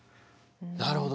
なるほど。